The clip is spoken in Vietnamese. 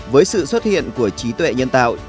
với sự xuất hiện của trí tuệ nhân tạo